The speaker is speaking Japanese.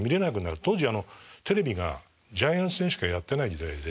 当時テレビがジャイアンツ戦しかやってない時代で。